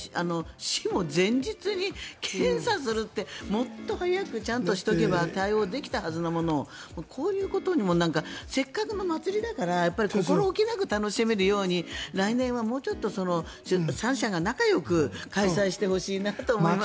前日に検査するってもっと早く対応しておけばちゃんとできたものをこういうことにもせっかくの祭りだから心置きなく楽しめるように来年はもうちょっと３者が仲よく開催してほしいなと思いますね。